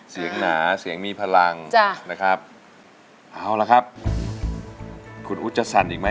หนาเสียงมีพลังจ้ะนะครับเอาละครับคุณอุ๊ดจะสั่นอีกไหม